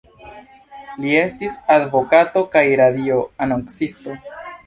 Li estis advokato kaj radio-anoncisto.